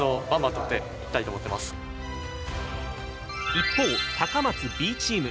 一方高松Ｂチーム。